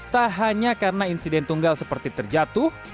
tak hanya karena insiden tunggal seperti terjatuh